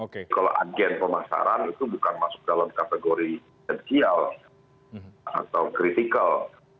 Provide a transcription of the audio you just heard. kalau agen pemasaran itu bukan masuk dalam kategori esensial atau kritikal